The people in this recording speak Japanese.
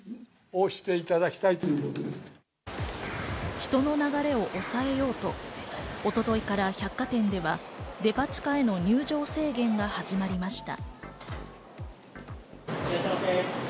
人の流れを抑えようと一昨日から百貨店ではデパ地下への入場制限が始まりました。